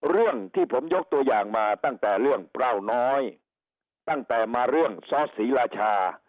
เรื่องที่ผมยกตัวอย่างมาตั้งแต่เรื่องเปล้าน้อยตั้งแต่มาเรื่องซอสศรีราชา